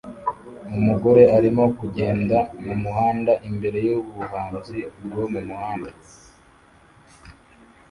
Umugore arimo kugenda mumuhanda imbere yubuhanzi bwo mumuhanda